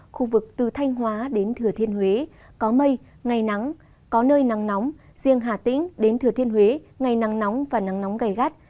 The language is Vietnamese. khu vực từ thanh hóa đến thừa thiên huế có mây ngày nắng có nơi nắng nóng riêng hà tĩnh đến thừa thiên huế ngày nắng nóng và nắng nóng gai gắt